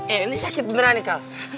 eh ini sakit beneran nih kak